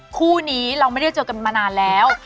คู่นี้เราไม่ได้เจอกันมานานแล้ว